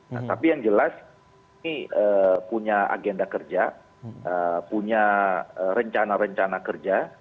nah tapi yang jelas ini punya agenda kerja punya rencana rencana kerja